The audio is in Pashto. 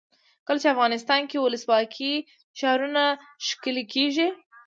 کله چې افغانستان کې ولسواکي وي ښارونه ښکلي کیږي.